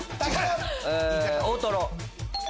大トロ。